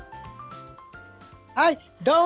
はい、どうも！